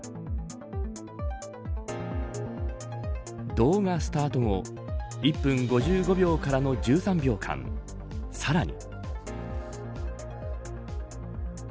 動画スタート後１分５５秒からの１３秒間さらに。